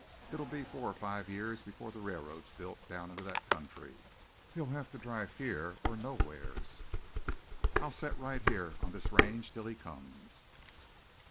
It'll be four or five years before the railroad's built down into that country, he'll have to drive here or nowheres. I'll set right here on this range till he comes."